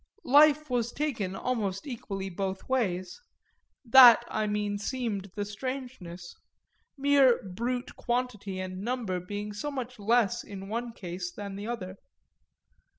Life was taken almost equally both ways that, I mean, seemed the strangeness; mere brute quantity and number being so much less in one case than the other.